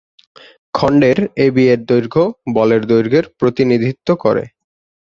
খন্ডের A B এর দৈর্ঘ্য বলের দৈর্ঘ্যের প্রতিনিধিত্ব করে।